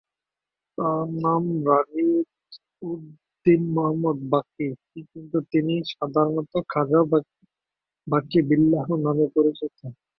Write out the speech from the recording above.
তার নাম রাযি-উদ-দিন মুহাম্মদ বাকি কিন্তু তিনি সাধারণত খাজা বাকি বিল্লাহ নামে পরিচিত।